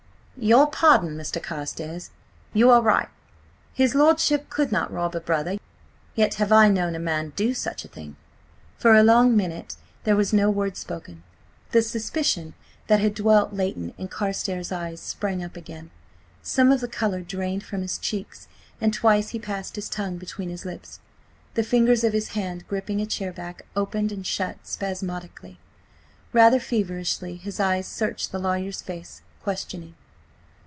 "Your pardon, Mr. Carstares–you are right: his lordship could not rob a brother. Yet have I known a man do such a thing." For a long minute there was no word spoken. The suspicion that had dwelt latent in Carstares' eyes, sprang up again. Some of the colour drained from his cheeks, and twice he passed his tongue between his lips. The fingers of his hand, gripping a chairback, opened and shut spasmodically. Rather feverishly his eyes searched the lawyer's face, questioning.